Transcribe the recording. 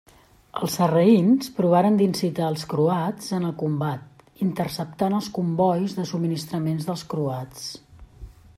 Els sarraïns provaren d'incitar els croats en combat, interceptant els combois de subministraments dels croats.